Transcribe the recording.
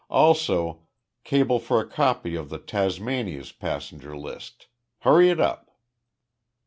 Also cable for a copy of the Tasmania's passenger list. Hurry it up!"